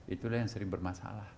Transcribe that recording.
itulah yang sering bermasalah